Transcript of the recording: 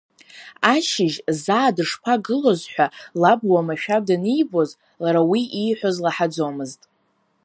Ашьыжь заа дышԥагылоз ҳәа, лаб уамашәа данибоз, лара уи ииҳәоз лаҳаӡомызт.